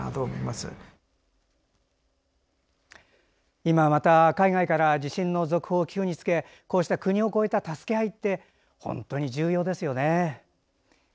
今、また海外から地震の続報が来るにつけこうした国を超えた助け合いって本当に重要ですよね。